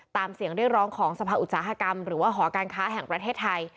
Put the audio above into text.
เสียงเรียกร้องของสภาอุตสาหกรรมหรือว่าหอการค้าแห่งประเทศไทย